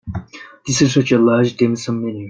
This is such a large dim sum menu.